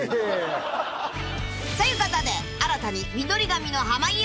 ［ということで新たに］